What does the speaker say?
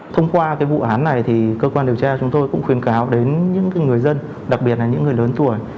thông qua vụ án này thì cơ quan điều tra chúng tôi cũng khuyến cáo đến những người dân đặc biệt là những người lớn tuổi